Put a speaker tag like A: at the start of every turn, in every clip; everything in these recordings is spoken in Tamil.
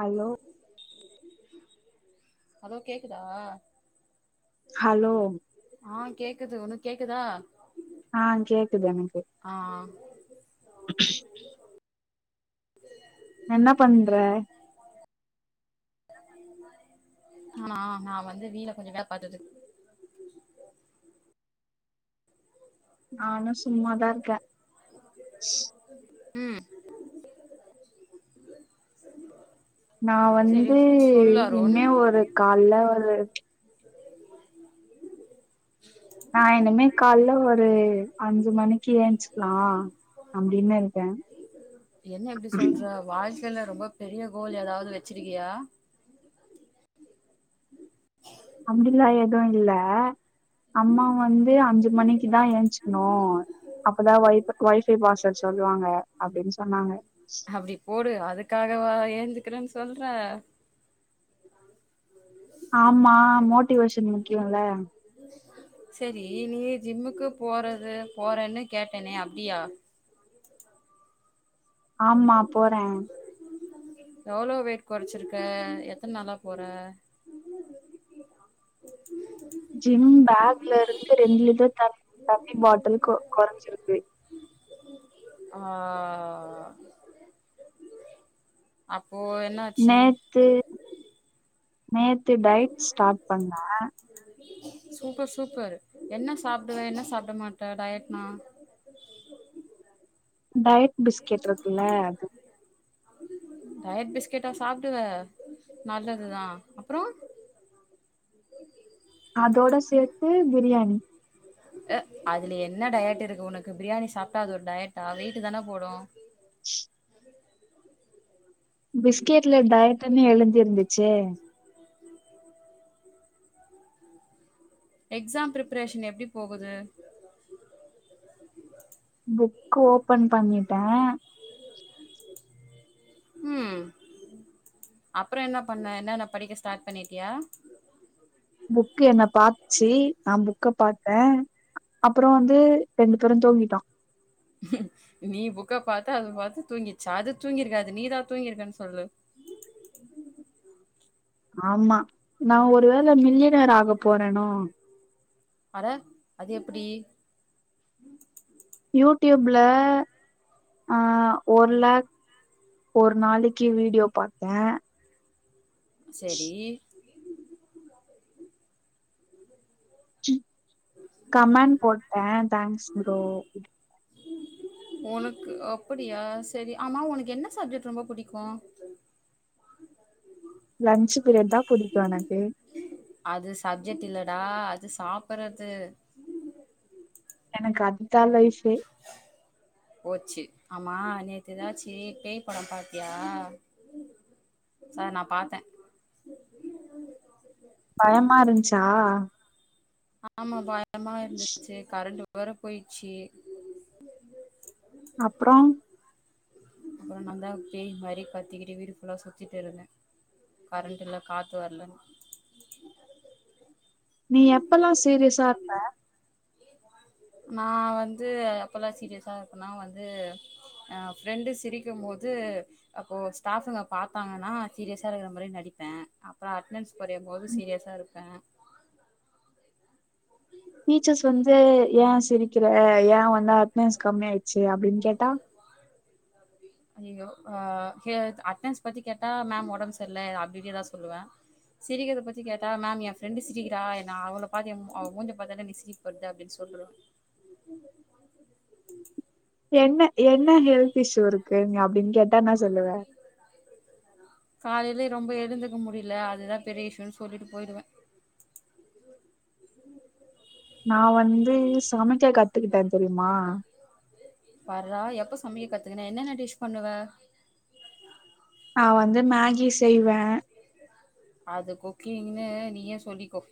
A: ஹலோ
B: ஹலோ கேக்குதா
A: ஹலோ
B: ஆ கேக்குது உனக் கேக்குதா
A: ஆ கேக்குது எனக்கு
B: ஆ
A: [inaudible] என்ன பண்ற
B: நானா நா வந்து வீல கொஞ்சொ வேல பாத்துட்டுக்
A: நானு சும்மாதா இருக்க
B: ம்
A: நா
B: சரி
A: வந்து
B: சொல்லு அருண்
A: இனிமே ஒரு கால்ல ஒரு நா இனிமே கால்ல ஒரு அஞ்சு மணிக்கு ஏஞ்சிக்லா அப்டின்னு இருக்கே
B: என்ன இப்டி சொல்ற வாழ்க்கைல ரொம்ப பெரிய கோல் எதாவது வச்சிருக்கியா
A: அப்டிலா எதுவு இல்ல அம்மா வந்து அஞ்சு மணிக்குதா ஏஞ்சுக்கணு அப்பதா ஒய் ஒய்ஃபை பாஸ்வர்டு சொல்லுவாங்க அப்டின்னு சொன்னாங்க
B: அப்டி போடு அதுக்காகவா ஏந்துக்கனுன் சொல்ற
A: ஆமா மோட்டிவேஷன் முக்யோல்ல
B: சரி நீ ஜிம்முக்கு போறது போறேன்னு கேட்டேனே அப்படியா
A: ஆமா போறே
B: எவ்ளோ வெய்ட் கொற்ச்சிருக்க எத்தன் நாளா போற
A: [inaudible] ஜிம் பேக்லருந்து ரெண்டு லிட்டர் தன் தண்ணி பாட்டல் கொ குறைஞ்சிருக்கே
B: ஆ அப்போ என்னாச்சி
A: த்து நேத்து டயட் ஸ்டாட் பண்ணா
B: சூப்பர் சூப்பரு என்ன சாப்பிடுவே என்ன சாப்பிட மாட்ட டயட்னா
A: டயட் பிஸ்கெட் ருக்குல அது
B: டயட் பிஸ்கெட்டா சாப்டுவே நல்லதுதா அப்றோ
A: அதோட சேத்து பிரியாணி
B: அ அதுல என்ன டயட் இருக்கு உனக்கு பிரியாணி சாப்ட்டா அது ஒர் டயட்டா வெய்ட்டுதந போடு
A: [inaudible] பிஸ்கெட்ல டயட்டுன்னு எழுந்திருந்துச்சே
B: எக்ஸாம் ப்ரிப்பரேஷன் எப்டி போகுது
A: புக் ஓபன் பண்ணிட்டே
B: உம் அப்ற என்ன பண்ணே என்னன்ன படிக்க ஸ்டாட் பண்ணிட்டியா
A: புக் என்ன பாத்ச்சி நா புக்க பாத்தே அப்புறோ வந்து ரெண்டு பேரு தூங்கிட்டோ
B: நீ புக்க பாத்த அது பாத்து தூங்கிச்சா அது தூங்கிருக்காது நீதா தூங்கிற்க்கன் சொல்லு
A: ஆமா நா ஒருவேள மில்லியனர் ஆக போறேனோ
B: அற அது எப்படி
A: யூட்யூப்ல ஆ ஒரு லேக் ஒர் நாளிக்கு வீடியோ பாத்தே
B: செரி
A: கமண் போட்டே டேங்க்ஸ் ப்ரோ
B: உனக்கு அப்படியா சரி ஆமா உனக்கு என்ன சப்ஜெக்ட் ரொம்ப பிடிக்கு
A: லன்ச்சு பீரியட் தா புடிக்கு எனக்கு
B: அது சப்ஜெக்ட் இல்லடா அது சாப்பறது
A: எனக்கு அதுதா ஃலைப்பே
B: போச்சு ஆமா நேத்து ஏதாச்சு பேய் படம் பாத்தியா சா நா பாத்தே
A: பயமா இருந்ச்சா
B: ஆமா பயமா இருந்துச்சு கரண்ட் வேர போய்ச்சி ரும்
A: அப்றோ
B: அப்றோ நாந்தா பேய் மாரி கத்திக்கிட்டு வீடு ஃபுல்லா சுத்திட்டுருந்தே கரண்ட் இல்ல காத்து வரலன்
A: நீ எப்பெல்லா சீரியஸ்ஸா இருப்பே
B: நா வந்து எப்பல்லா சீரியஸா இருக்கனா வந்து அ ஃப்ரெண்டு சிரிக்குமோது அப்போ ஸ்டாஃப்ங்க பாத்தாங்கன்னா சீரியஸா இருக்குற மாரி நடிப்பே அப்ற அட்னன்ஸ் கொற்யம்போது சீரியஸா இருப்பே
A: டீச்சர்ஸ் வந்து ஏன் சிரிக்கிற ஏன் வந்து அட்டனஸ் கம்மி ஆயிடுச்சு அப்டின் கேட்டா [inaudible]
B: ஐயோ அஹ அட்டன்ஸ் பத்தி கேட்டா மேம் உடம்பு சர்ல அப்டின் எதா சொல்வே சிரிக்கத பத்தி கேட்டா மேம் என்ஃப்ரெண்டு சிரிக்கிறா அவள பாத்த அவங்கமூஞ்ச பாத்த நீ சிரி [unintelligible] அப்டின் சொல்லு
A: என்ன என்ன ஹெல்த் இஷ்யூ இருக்கு நீ அப்டின் கேட்டா ன்னா சொல்லுவ
B: காலையில ரொம்ப எழுந்துக்க முடியல அதுதா பெரிய இஷ்யூன் சொல்லிட்டு போயிருவே
A: நான் வந்து சமைக்க கத்துக்கிட்டே தெரிமா
B: பார்றா எப்ப சமைக்க கத்துக்கிட்ட என்னென டிஷ் பண்ணுவ
A: நா வந்து மேகி செய்வே
B: அது குக்கிங்ன்னு நீயே சொல்லிக்கோ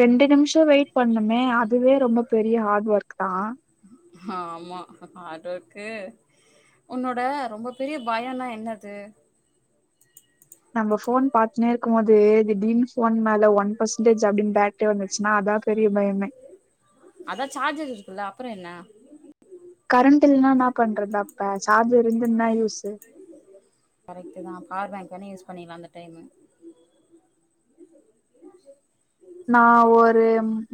A: ரெண்டு நிம்ஷ வெயிட் பண்ணுமே அதுவே ரொம்ப பெரிய ஹார்ட் ஒர்க் தா
B: ஹ ஆமா ஹாட் ஒர்க்கு உன்னோட ரொம்ப பெரிய பயம்னா என்னது
A: நம்ம போன் பாத்துனே இருக்கும் போது திடீர் போன் மேல ஒன் பெர்சன்டேஜ் அப்டின் பேட் ட்டு வந்துச்சுன்னா அதா பெரிய பயமே
B: அதா சார்ஜஸ் இருக்குல்ல அப்பறோ என்ன
A: கரண்ட் இல்னா ன்னா பண்றதுா அப்ப சார்ஜர் இருந்துன்னா யூஸு
B: கரெக்டு தா பவர் பேங்க் வேனே யூஸ் பண்ணிக்கலா அந்த டைமு
A: நா ஒரு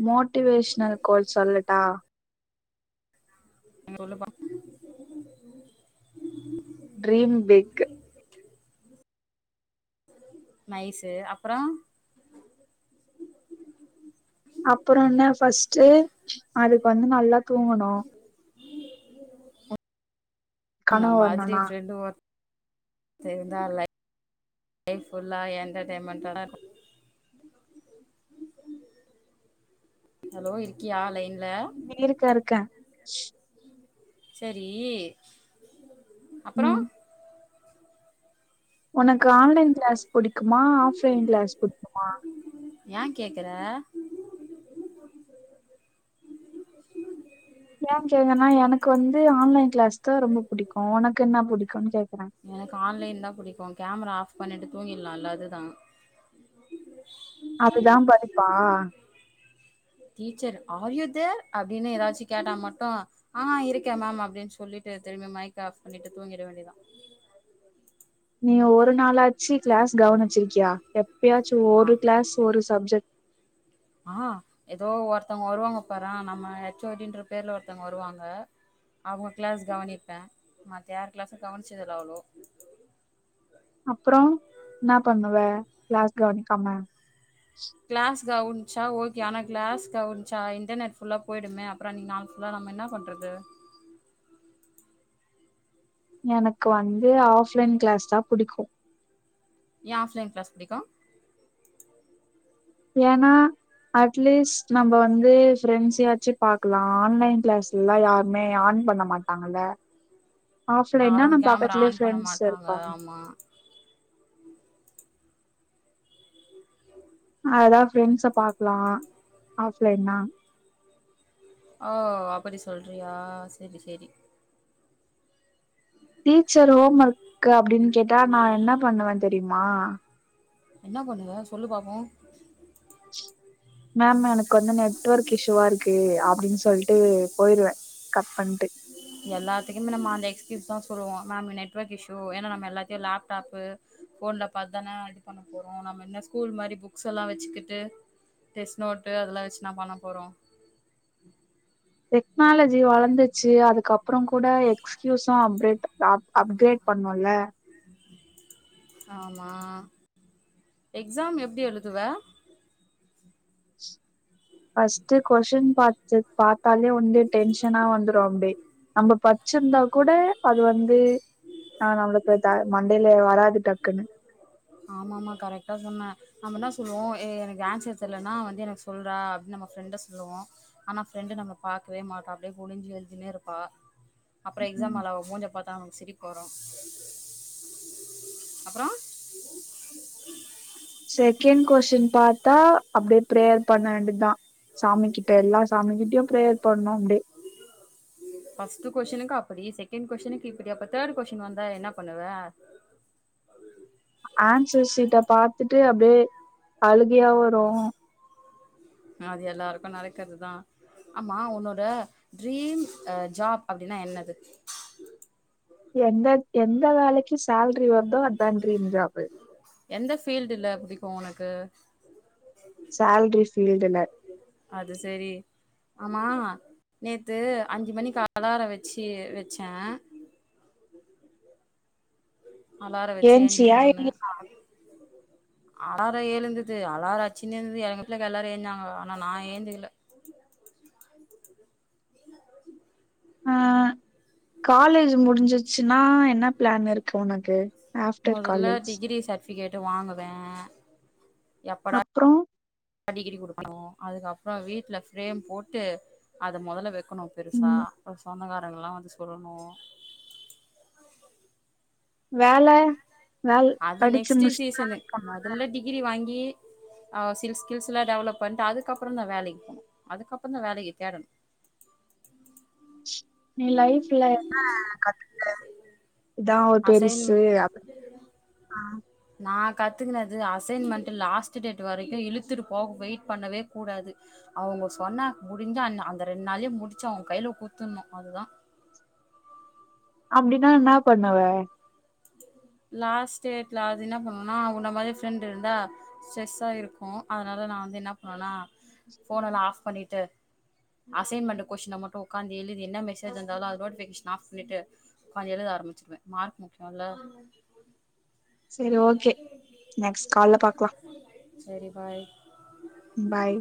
A: மோட்டிவேஷ்னல் கோட் சொல்லட்டா
B: சொல்லுப்பா
A: ட்ரீம் பிக்
B: நைசு அப்றோ
A: அப்றோ என்ன ஃபஸ்ட்டு அதுக்கு வந்து நல்லா தூங்கணு
B: இந்த
A: கனவு
B: மாதிரி
A: வரணுனா
B: ஃப்ரெண்டு ஒர்த் தா லை லைஃப் புல்வா என்டர்டெய்மெண்டாருக் ஹலோ இருக்கியா லைன்ல
A: இருக்க இருக்க
B: சரி அப்பறோ
A: ம் உனக்கு ஆன்லைன் கிளாஸ் புடிக்குமா ஆஃப்லைன் கிளாஸ் புடிக்குமா
B: யா கேக்கற
A: யா கேங்கற்னா எனக்கு வந்து ஆன்லைன் கிளாஸ் தா ரொம்ப புடிக்கும் உனக்கு என்ன புடிக்கும்னு கேக்கறே
B: எனக்கு ஆன்லைன் தா புடிக்கும் கேமரா ஆஃப் பண்ணிட்டு தூங்கிட்லா இல்ல அது தா
A: அதுதா படிப்பா
B: டீச்சர் ஆர்யூதேர் அப்டின் ஏதாச்சும் கேட்டா மட்டு ஆஹ் இருக்கே மேம் அப்டின் சொல்லிட்டு திரும்பி மைக் ஆஃப் பண்ணிட்டு தூங்கிட வேண்டிதா
A: நீ ஒரு நாளாச்சு கிளாஸ் கவனிச்சிருக்கியா எப்பயாச்சும்
B: ஆ
A: ஒரு கிளாஸ் ஒரு சப்ஜெக்ட்
B: ஆஹ் ஏதோ ஒருத்தங்க வருவாங்க பாறா நம்ம ஹெச் ஓ டின்ற பேர்ல ஒருத்தங்க வருவாங்க அவங்க கிளாஸ் கவனிப்பே மத்த யார் கிளாஸ் கவனிச்சதுல்ல அவ்ளோ
A: அப்றோ ன்னா பண்ணுவ க்ளாஸ கவனிக்காம
B: கிளாஸ் கவுன்ச்சா ஓகே ஆனா கிளாஸ் கவுனிச்சா இன்ர்னெட் ஃபுல்லாக போயிடுமே அப்றோ அன்னிக் நாள் புல்லா நம்ம என்னா பண்றது
A: எனக்கு வந்து ஆஃப்லைன் கிளாஸ் தா புடிக்கும்
B: யா ஆஃப்லைன் கிளாஸ் புடிக்கு
A: ஏனா அட்லீஸ்ட் நம்ம வந்து ஃப்ரெண்ட்ஸ் யாச்சு பாக் இப்பல்லா ஆன்லைன் கிளாஸ்லா யாருமே ஆன் பண்ண மாட்டாங்கல்ல ஆஃப்லைன்னா நம் பாக்கத்துலேயே ஃப்ரெண்ட்ஸ் இருப்பாங்க
B: மா ஆஹ
A: அதலா ஃப்ரெண்ட்ஸ பாக்கலா ஆஃப்லைன்னா
B: ஓ அப்படி சொல்றியா செரி செரி
A: டீச்சர் ஹோம் ஒர்க் அப்டின்னு கேட்டா நா என்ன பண்ணுவே தெரியுமா
B: என்ன பண்ணுவ சொல்லு பாப்போ
A: மேம் எனக்கு வந்து நெட்ஒர்க் இஷூுவா இருக்கு அப்டின் சொல்டு போயிருவே கட் பண்ணிட்டு
B: எல்லாத்துக்குமே நம்ம அந்த எக்ஸ்கியூஸ் தா சொல்லுவோ மேம் நெட்ஒர்க் இஷ்யூ ஏன்னா நம்ம எல்லாத்தையு லேப்டாப்பு ஃபோன்ல பாத்துதானே இது பண்ண போறோ நம்ம என்ன ஸ்கூல் மாரி புக்ஸ் எல்லா வெச்சுக்கிட்டு டெஸ்ட் நோட்டு அதெல்லா வெச்சினா பண்ண போறோ
A: டெக்னாலஜி வளந்துச்சி அதுக்கப்புறம் கூட எக்ஸ்கியூஸ்சு அப்டேட் அ அப்கிரேட் பண்ணோம்ல
B: ஆமா எக்ஸாம் எப்டி எழுதுவ
A: ஃபர்ஸ்ட் கொஸின் பாத்து பாத் தாலே வந்து டென்ஷனா வந்துரு அடியே நம்ம பச்சிருந்தா கூட அது வந்து ஆ நம்மளுக்கு த மண்டையில வராது டக்குன்னு
B: ஆமா ஆமா கரெக்டா சொன்ன நம்ம நா சொல்லுவோ ஏ எனக்கு ஆன்சர் தெர்லன்னா வந்து எனக்கு சொல்றா அப்டின்னு நம்ம ஃப்ரெண்ட சொல்லுவோ ஆனா ஃப்ரெண்டு நம்ம பாக்கவே மாட்டா அப்டியே ஒனிஞ்சி எழுதினே இருப்பா அப்றோ எக்ஸாம்
A: ம்
B: ஹால்ல அவ மூஞ்ச பத்தா நமக்கு சிரிப்பு வரோ [inaudible]
A: செகண்ட் கொஸ்டின் பாத்தா அப்டியே பிரேயர் பண்ண வேண்டிதா சாமி கிட்ட எல்லா சாமி கிட்டயு பிரேயர் பண்ணணு அப்டியே
B: ஃபர்ஸ்ட் கொஸ்டினுக்கு அப்டி செகண்ட் கொஸ்டினுக்கு இப்டி அப்ப தேர்டு கொஸின் வந்தா என்ன பண்ணுவ
A: ஆன்சர் ஷீட்ட பாத்துட்டு அப்டியே அழுகியா வரு
B: அது எல்லாருக்கு நடக்கறதுதா ஆமா உன்னோட ட்ரீம் ஜாப் அ அப்டின்னா என்னது
A: எந்த எந்த வேலைக்கு சேலரி வருதோ அதுதா ட்ரீம் ஜாப்
B: எந்த ஃபீல்டுல புடிக்கு உனக்கு
A: சேலரி ஃபீல்டுல
B: அது சேரி ஆமா நேத்து அஞ்சு மணிக்கு கலாரோ வெச்சு வெச்சே அலாரோ வெச்சி எந்திக்கனுன்னு
A: ஆ
B: அலாரோ ஏழுந்தது அலாரோ அச்சினே இந்தது எங்க வீட்டுல இரக்குற எல்லாரு ஏஞ்சாங்க ஆனா நா ஏழுந்துகல
A: ஆ காலேஜி முடிஞ்சிச்சுன்னா என்ன பிளான் இருக்கு உனக்கு ஆஃப்டர்
B: மொதல்ல
A: காலேஜ்
B: டிகிரி சர்ட்டிபிகேட்டு வாங்குவே எப்படா
A: அப்றோ
B: டிகிரி குடுக்கணு அதுக்கப்றோ வீட்ல பிரேம் போட்டு அத மொதல்ல வெக் வெக்கணு பெருச
A: ம்
B: அப்றோ சொந்தகாரங்கள்லா வந்து சொல்லணு
A: வேல வேல்
B: அது
A: படிச்சு
B: நெக்ஸ்ட்
A: முடிச்சுட்டா
B: சீசனு மொதல்ல டிகிரி வாங்கி ஆ ஸ்கில் ஸ்கில்ஸ்லா டெவலப் பண்ணிட்டு அதுக்கப்புறம் தா வேலைக்கு போனோ அதுக்கப்புறம் தா வேலைய தேடணு
A: நீ லைஃப்ல என்ன கத்துக்கிட்ட இதா ஒ
B: அசைன்
A: பெரிசு ஆ
B: நா கத்துக்கனுது அசைன்மெண்ட் லாஸ்ட் டேட் வரைக்கு இழுத்துட்டு போக வெயிட் பண்ணவே கூடாது அவங்க சொன்னா முடிஞ்சா அந் அந்த ரெண் நாள்ளயே முடிச்சு அவங்க கையில குத்துணு அதுதான்
A: அப்டின்னா என்னா பண்ணுவ
B: லாஸ்ட் டேட்ல அது என்ன பண்ணுனா உன்ன மாரி ஃப்ரெண்ட் இருந்தா ஸ்ட்ரெஸ்ஸா இருக்கு அதனால நா வந்து என்னா பண்ணனா போன் எல்லா ஆஃப் பண்ணிட்டு அசைன்மெண்ட் கொச்சின மட்டு உக்காந்து எழுதி என்ன மெசேஜ் வந்தாலு அது நோட்டிபிகேஷன் ஆப் பண்ணிட்டு கொஞ்ச எழுத ஆரம்பிச்சிருவே மார்க் முக்கியல்ல
A: சரி ஓகே நெக்ஸ்ட் கால்ல பாக்கலா
B: சரி பாய்
A: பாய்